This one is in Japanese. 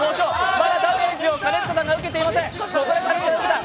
まだダメージを兼近さんが受けていません。